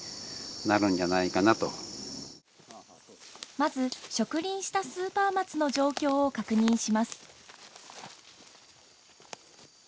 まず植林したスーパー松の状況を確認します。